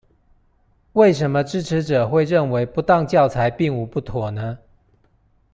為什麼支持者會認為不當教材並無不妥呢？